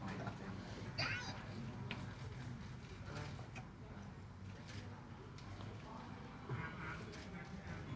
โปรดติดตามตอนต่อไป